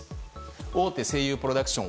大手声優プロダクション